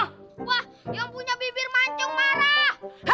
wah yang punya bibir mancong marah